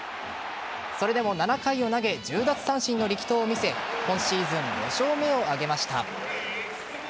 それでも７回を投げ１０奪三振の力投を見せ今シーズン５勝目を挙げました。